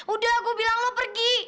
udah aku bilang lo pergi